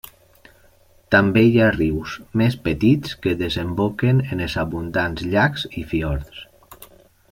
També hi ha rius més petits que desemboquen en els abundants llacs i fiords.